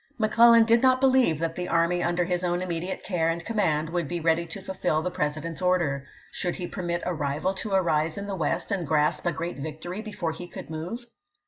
McClellan did not believe that the army under his own immediate care and command would be ready to fulfill the President's order. Should he permit a rival to arise in the West and grasp a gxeat victory before he could move?